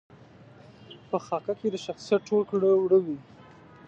په خاکه کې د شخصیت ټول کړه وړه وي.